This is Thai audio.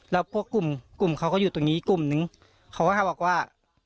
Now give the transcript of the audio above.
แล้วพวกกลุ่มกลุ่มเขาก็อยู่ตรงนี้อีกกลุ่มนึงเขาก็บอกว่า